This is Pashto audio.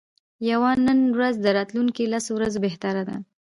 یوه نن ورځ د راتلونکو لسو ورځو بهتره ده.